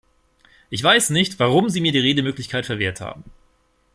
Ich weiß nicht, warum Sie mir die Redemöglichkeit verwehrt haben.